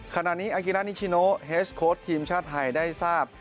ขณะนี้อากิรานิชิโนเฮสโค้ดทีมชาติไทยได้ทราบ